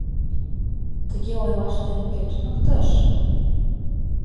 Тыге ойлаш тыйым кӧ туныктыш?